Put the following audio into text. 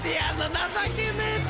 情けねえ！］